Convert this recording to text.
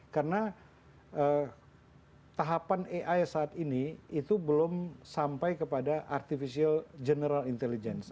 karena tahapan ai saat ini itu belum sampai kepada artificial general intelligence